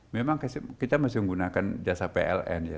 memang kita masih menggunakan jasa pln ya